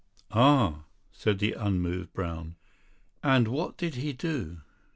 "Ah!" said the unmoved Brown, "and what did he do?"